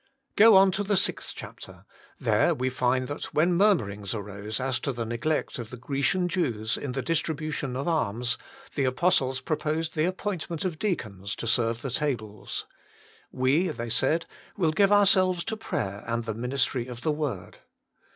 Go on to the sixth chapter. There we find that, when murmurings arose as to the neglect of the Grecian Jews in the distribution of alms, the apostles proposed the appointment of deacons to serve the tables. " We," they said, " will give our selves to prayer and the ministry of the word."